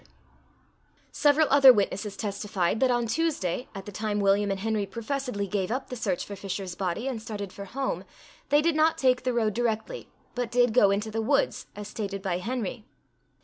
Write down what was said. Several other witnesses testified, that on Tuesday, at the time William and Henry professedly gave up the search for Fisher's body, and started for home, they did not take the road directly, but did go into the woods, as stated by Henry.